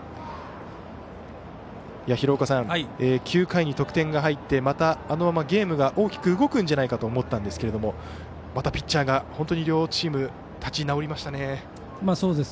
廣岡さん、９回に得点が入ってまたあのままゲームが大きく動くんじゃないかと思ったんですがまたピッチャーが本当に両チーム立ち直りましたね。